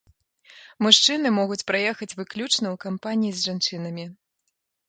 Мужчыны могуць праехаць выключна ў кампаніі з жанчынамі.